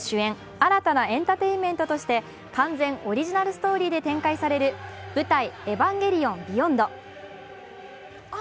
新たなエンターテインメントとして完全オリジナルストーリーで展開される「舞台・エヴァンゲリオンビヨンド」。